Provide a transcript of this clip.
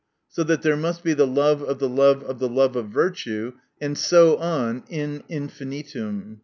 So that there must be the love of the love of the love of virtue, and so on in infinitum.